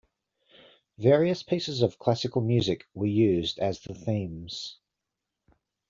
Various pieces of classical music were used as the themes.